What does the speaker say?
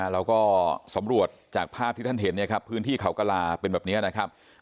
เราก็สำรวจจากภาพที่ท่านเห็นเนี่ยครับพื้นที่เขากระลาเป็นแบบนี้นะครับ